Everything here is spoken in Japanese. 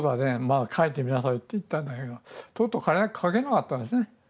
まあ書いてみなさい」って言ったんだけどとうとう彼は書けなかったんですね。